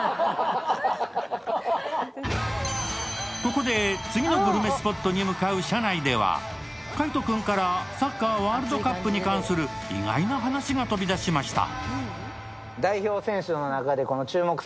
ここで次のグルメスポットに向かう車内では、海音君からサッカー・ワールドカップに関する意外な話が飛び出しました。